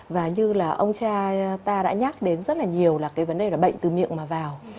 và như là ông cha ta đã nhắc đến rất là nhiều là cái vấn đề là bệnh từ miệng mà vào